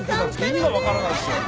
意味が分からないっすよ。